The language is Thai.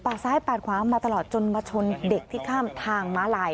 ซ้ายปาดขวามาตลอดจนมาชนเด็กที่ข้ามทางม้าลาย